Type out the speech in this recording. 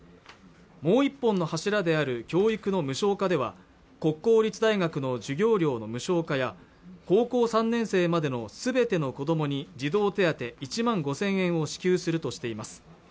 もう１本の柱である教育の無償化では国公立大学の授業料の無償化や高校３年生までのすべての子どもに児童手当１万５０００円を支給するとしています